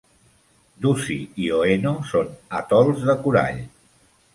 Ducie i Oeno són atols de corall.